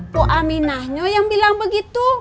bu aminahnya yang bilang begitu